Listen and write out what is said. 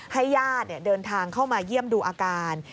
ญาติเดินทางเข้ามาเยี่ยมดูอาการ